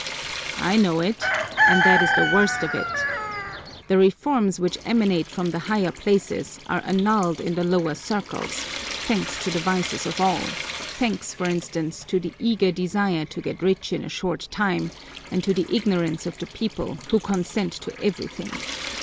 "I know it, and that is the worst of it! The reforms which emanate from the higher places are annulled in the lower circles, thanks to the vices of all, thanks, for instance, to the eager desire to get rich in a short time, and to the ignorance of the people, who consent to everything.